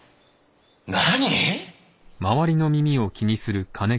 何！？